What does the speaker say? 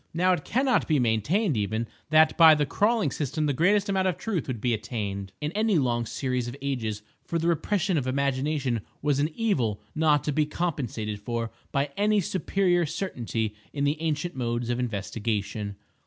Now, it cannot be maintained, even, that by the crawling system the greatest amount of truth would be attained in any long series of ages, for the repression of imagination was an evil not to be compensated for by any superior certainty in the ancient modes of investigation.